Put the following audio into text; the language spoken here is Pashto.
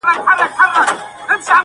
غلیمان د پایکوبونو به په ګور وي،